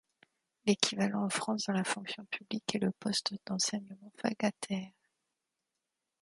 L'équivalent en France dans la fonction publique est le poste d'enseignant vacataire.